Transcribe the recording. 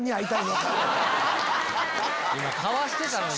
今かわしてたのに！